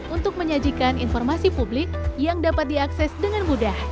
untuk menyajikan informasi publik yang dapat diakses dengan mudah